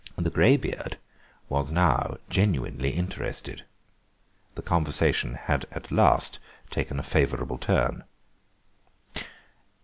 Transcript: The greybeard was now genuinely interested. The conversation had at last taken a favourable turn.